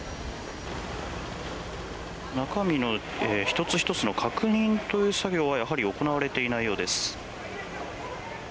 中身の１つ１つの確認という作業はやはり行われていないようです。